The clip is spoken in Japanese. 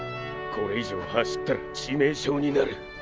これ以上走ったら致命傷になる。